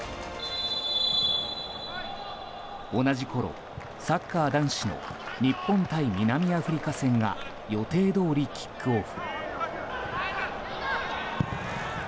同じころ、サッカー男子の日本対南アフリカ戦が予定どおりキックオフ。